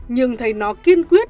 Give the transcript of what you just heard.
nhưng thấy nó kiên quyết